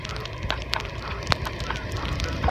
شعر د تاریخ په اړه معلومات ورکوي.